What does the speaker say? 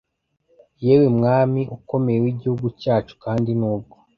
Yewe mwami ukomeye wigihugu cyacu kandi nubwo